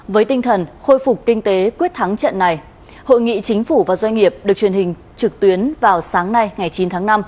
với tinh thần khôi phục kinh tế quyết thắng trận này hội nghị chính phủ và doanh nghiệp được truyền hình trực tuyến vào sáng nay ngày chín tháng năm